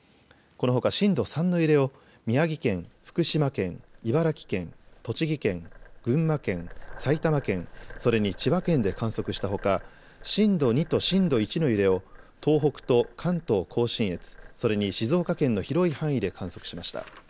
このほか震度３の揺れを宮城県、福島県、茨城県、栃木県、群馬県、埼玉県、それに千葉県で観測したほか震度２と震度１の揺れを東北と関東甲信越、それに静岡県の広い範囲で観測しました。